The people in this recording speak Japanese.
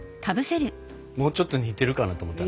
もうちょっと似てるかなと思った。